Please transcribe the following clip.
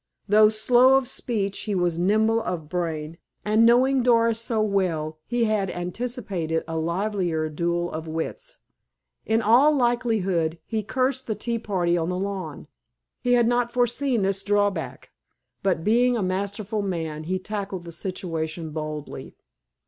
Though slow of speech he was nimble of brain, and, knowing Doris so well, he had anticipated a livelier duel of wits. In all likelihood, he cursed the tea party on the lawn. He had not foreseen this drawback. But, being a masterful man, he tackled the situation boldly.